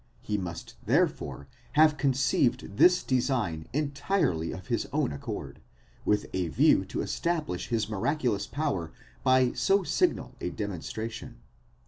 He must therefore have conceived this de sign entirely of his own accord, with a view to establish his miraculous power by so signal a demonstration.